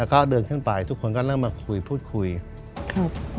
แล้วก็เดินขึ้นไปทุกคนก็เริ่มมาคุยพูดคุยครับ